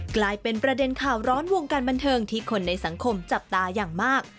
กลายเป็นประเด็นข่าวร้อนวงการบันเทิงที่คนในสังคมจับตาอย่างมาก